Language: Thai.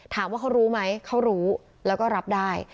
ถามว่าเขารู้ไหมเขารู้แล้วก็รับได้